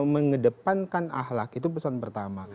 mengedepankan ahlak itu pesan pertama